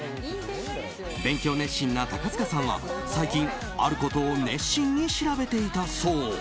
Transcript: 勉強熱心な高塚さんは最近、あることを熱心に調べていたそう。